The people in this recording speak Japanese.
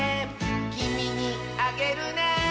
「きみにあげるね」